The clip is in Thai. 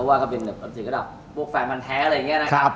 ว่าก็เป็นเสียงระดับพวกแฟนมันแท้อะไรอย่างนี้นะครับ